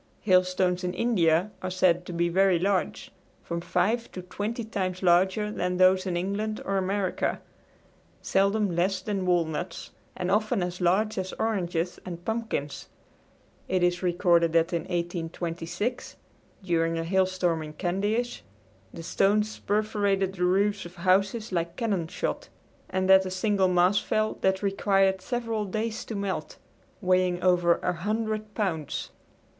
Hailstones in India are said to be very large from five to twenty times larger than those in England or America seldom less than walnuts and often as large as oranges and pumpkins. It is recorded that in 1826, during a hailstorm at Candeish, the stones perforated the roofs of houses like cannon shot, and that a single mass fell that required several days to melt, weighing over 100 pounds.